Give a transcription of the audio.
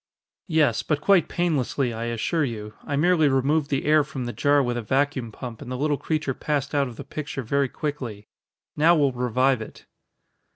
"Yes. But quite painlessly, I assure you. I merely removed the air from the jar with a vacuum pump and the little creature passed out of the picture very quickly. Now we'll revive it."